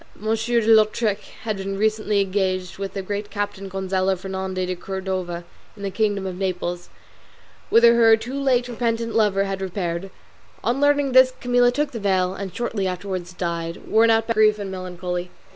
de Lautrec had been recently engaged with the Great Captain Gonzalo Fernandez de Cordova in the kingdom of Naples, whither her too late repentant lover had repaired. On learning this Camilla took the veil, and shortly afterwards died, worn out by grief and melancholy.